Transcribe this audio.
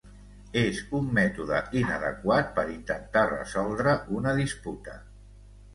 És un mètode inadequat per intentar resoldre una disputa.